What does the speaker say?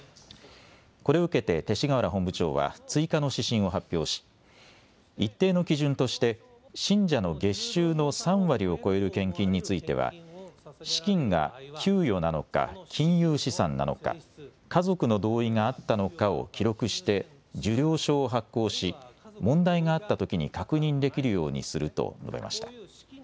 これを受けて勅使河原本部長は追加の指針を発表し一定の基準として信者の月収の３割を超える献金については資金が給与なのか金融資産なのか家族の同意があったのかを記録して受領証を発行し問題があったときに確認できるようにすると述べました。